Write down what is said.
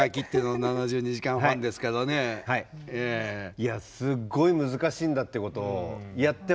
いやすっごい難しいんだってことをやって分かりました。